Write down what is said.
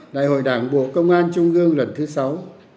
đại hội đảng bộ công an trung ương lần thứ sáu